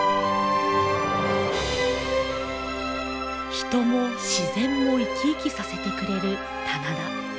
人も自然も生き生きさせてくれる棚田。